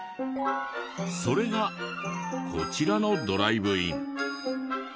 それがこちらのドライブイン。